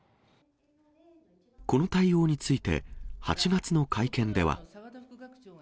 この対応について、８月の会見では。